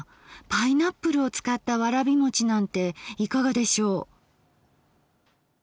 パイナップルを使ったわらびもちなんていかがでしょう？